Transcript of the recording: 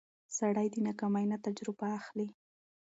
سړی د ناکامۍ نه تجربه اخلي